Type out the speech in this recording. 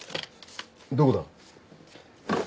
どこだ。